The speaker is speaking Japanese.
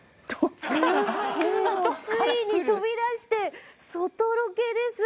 ついに飛び出して外ロケです。